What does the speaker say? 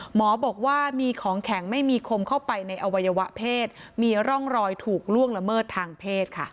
หมอบอกว่ามีของแข็งไม่มีคมเข้าไปในอวัยวะเพศมีร่องรอยถูกล่วงละเมิดทางเพศค่ะ